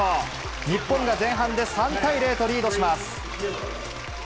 日本が前半で３対０とリードします。